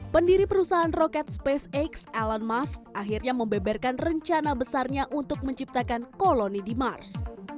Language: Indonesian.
pendiri perusahaan roket spacex elon musk akhirnya membeberkan rencana besarnya untuk menciptakan koloni di mars